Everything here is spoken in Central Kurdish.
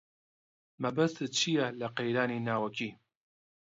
مەبەستت چییە لە قەیرانی ناوەکی؟